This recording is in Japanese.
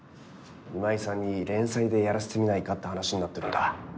今井さんに連載でやらせてみないかって話になってるんだ。